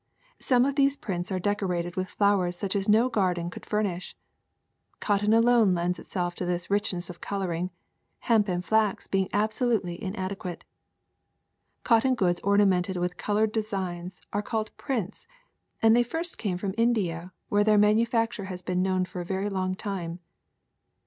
Some of these prints are decorated with flowers such as no garden could furnish. Cotton alone lends itself to this rich ness of coloring, hemp and flax being absolutely in adequate. Cotton goods ornamented with colored designs are called prints, and they first came from India, where their manufacture has been known for a very long time.